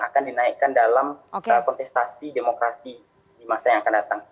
dan dinaikkan dalam kontestasi demokrasi di masa yang akan datang